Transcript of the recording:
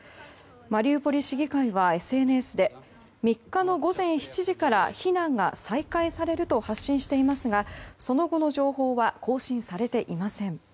マリウポリ市議会はＳＮＳで３日の午前７時から避難が再開されると発信していますがその後の情報は更新されていません。